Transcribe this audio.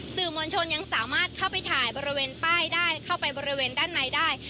สื่อมวลชนยังสามารถเข้าไปถ่ายบริเวณป้ายได้เข้าไปบริเวณด้านในได้